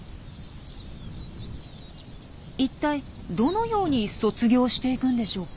いったいどのように卒業していくんでしょうか。